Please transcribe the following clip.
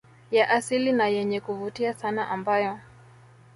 ya asili na yenye kuvutia sana ambayo